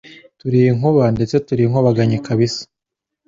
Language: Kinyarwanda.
Turi inkuba ndetse turinkubaganyi kabisa